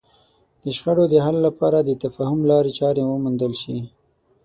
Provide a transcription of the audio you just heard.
د شخړو د حل لپاره د تفاهم لارې چارې وموندل شي.